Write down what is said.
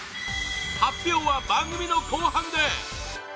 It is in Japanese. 発表は番組の後半で！